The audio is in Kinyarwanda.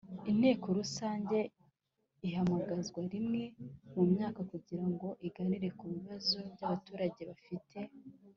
Inteko rusange ihamagazwa rimwe mu myaka kugira ngo iganire ku ibibazo bya abaturage bafite